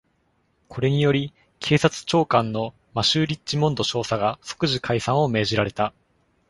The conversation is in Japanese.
これにより警察長官のマシュー・リッチモンド少佐が即時解散を命じられた。